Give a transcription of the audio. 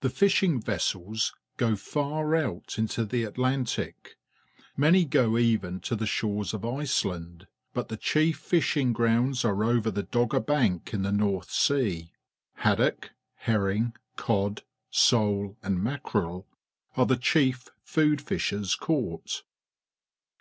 The fishing vessels go far out into the Atlantic; man}' go even to the shores of Ice land ; but the chief fishing grounds^ are o^ er the Dogger Bank in the North Sea. Hadd ock, herring, cod, sole, and mack erel are the chief food fishes caught.